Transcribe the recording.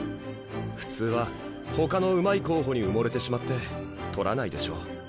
普通はほかのうまい候補に埋もれてしまって獲らないでしょう。